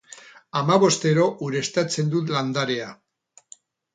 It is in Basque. Hamabostero ureztatzen dut landarea.